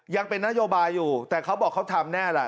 ยังเป็นนโยบายอยู่แต่เขาบอกเขาทำแน่ล่ะ